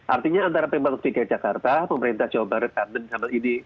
artinya antara pemerintah ketiga jakarta pemerintah jawa barat dan sambal ini